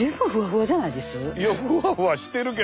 いやふわふわしてるけどな見た目も。